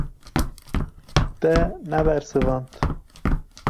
Te nebersivand.